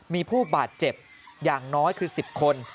มีผู้บาดเจ็บอย่างน้อยคือ๑๐คน